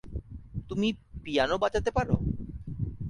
তুমি পিয়ানো বাজাতে পার?